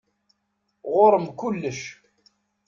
Ɣur-m kullec.